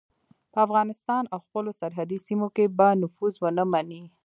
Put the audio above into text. په افغانستان او خپلو سرحدي سیمو کې به نفوذ ونه مني.